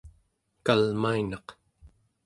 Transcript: kalmainaq